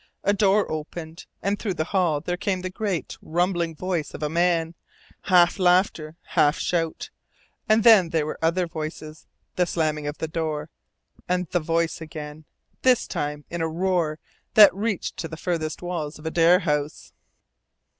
A door opened, and through the hall there came the great, rumbling voice of a man, half laughter, half shout; and then there were other voices, the slamming of the door, and THE voice again, this time in a roar that reached to the farthest walls of Adare House.